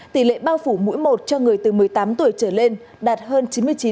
tỷ lệ bao phủ mỗi một cho người từ một mươi tám tuổi trở lên đạt hơn chín mươi chín